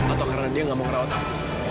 atau karena dia nggak mau ngerawat